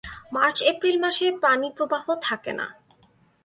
মার্চ-এপ্রিল মাসে পানিপ্রবাহ থাকে না।